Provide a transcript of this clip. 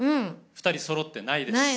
２人そろって「ないです」。